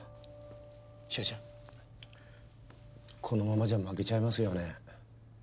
このままじゃ負けちゃいますよね。